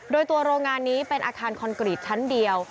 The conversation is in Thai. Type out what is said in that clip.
โดยตัวโรงงานนี้เป็นอาคารคอนกรีตชั้นเดียว